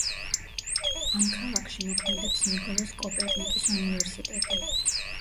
ამ ქალაქში მოქმედებს ნიკოლოზ კოპერნიკის უნივერსიტეტი.